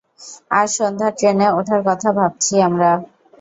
আজ সন্ধ্যার ট্রেনে ওঠার কথা ভাবছি আমরা।